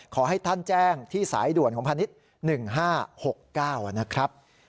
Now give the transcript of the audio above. ขอให้ท่านแจ้งที่สายด่วนของพาณิชย์๑๕๖๙นะครับ